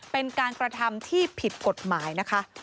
เป็นการกระทำที่ผิดกฎหมายนะคะ